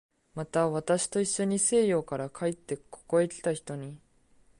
また、私といっしょに西洋から帰ってここへきた人に